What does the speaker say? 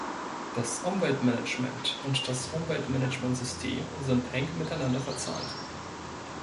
Das Umweltmanagement und das Umweltmanagementsystem sind eng miteinander verzahnt.